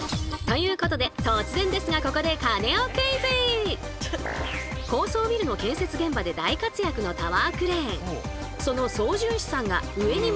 ということで突然ですがここで高層ビルの建設現場で大活躍のタワークレーン。